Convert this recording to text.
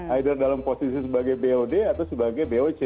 either dalam posisi sebagai bod atau sebagai boc